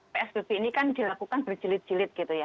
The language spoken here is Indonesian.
psbb ini kan dilakukan berjilid jilid gitu ya